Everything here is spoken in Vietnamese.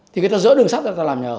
thì người ta dỡ đường sắt ra làm nhà ở